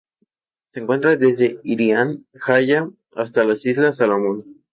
Se encuentra desde Irian Jaya hasta las Islas Salomón.